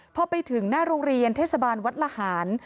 พอไปถึงหน้าโรงเรียนเทศบาลวัดละหาร